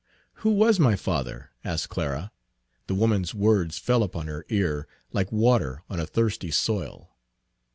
"Who was my father?" asked Clara. The woman's words fell upon her ear like water on a thirsty soil.